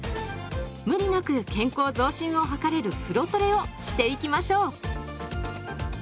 無理なく健康増進を図れる風呂トレをしていきましょう。